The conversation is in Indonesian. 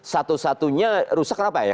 satu satunya rusak apa ya